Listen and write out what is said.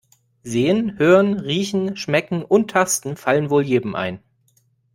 Sehen, Hören, Riechen, Schmecken und Tasten fallen wohl jedem ein.